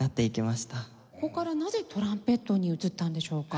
ここからなぜトランペットに移ったんでしょうか？